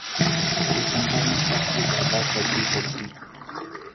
دسمبر میں سب سے زیادہ سردی پڑتی